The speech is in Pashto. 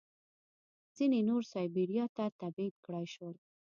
ځینې نور سایبیریا ته تبعید کړای شول